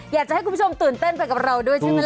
อยากจะให้คุณผู้ชมตื่นเต้นไปกับเราด้วยใช่ไหมล่ะ